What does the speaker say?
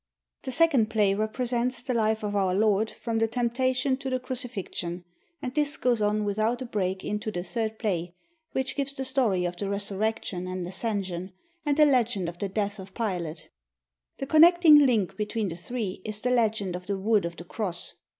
The second play represents the life of our Lord from the Temptation to the Crucifixion, and this goes on without a break into the third play, which gives the story of the Resurrection and Ascension, and the legend of the death of Pilate. The connecting link between the three is the legend of the wood of the cross.